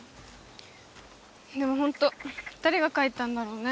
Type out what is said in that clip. でもホント誰が書いたんだろうね